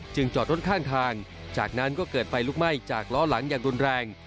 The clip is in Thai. จอดรถข้างทางจากนั้นก็เกิดไฟลุกไหม้จากล้อหลังอย่างรุนแรง